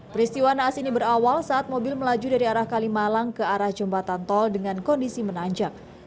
peristiwa naas ini berawal saat mobil melaju dari arah kalimalang ke arah jembatan tol dengan kondisi menanjak